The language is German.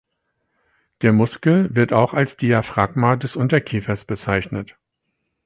Der Muskel wird auch als „Diaphragma des Unterkiefers“ bezeichnet.